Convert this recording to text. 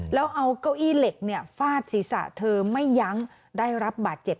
แล้วเอาเก้าอี้เหล็กเนี่ยฟาดศีรษะเธอไม่ยั้งได้รับบาดเจ็บ